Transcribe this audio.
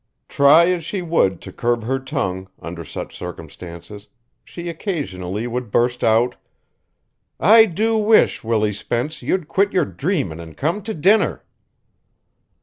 Try as she would to curb her tongue, under such circumstances, she occasionally would burst out: "I do wish, Willie Spence, you'd quit your dreamin' an' come to dinner."